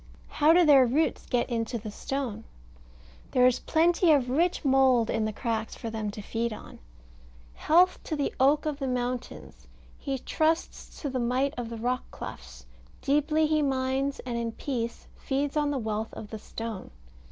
How do their roots get into the stone? There is plenty of rich mould in the cracks for them to feed on "Health to the oak of the mountains; he trusts to the might of the rock clefts. Deeply he mines, and in peace feeds on the wealth of the stone."